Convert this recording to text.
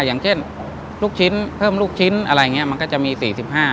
อย่างเช่นลูกชิ้นเพิ่มลูกชิ้นอะไรอย่างนี้มันก็จะมี๔๕